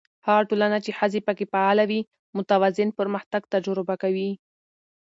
هغه ټولنه چې ښځې پکې فعاله وي، متوازن پرمختګ تجربه کوي.